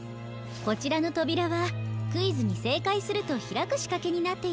こちらのとびらはクイズにせいかいするとひらくしかけになっているんです。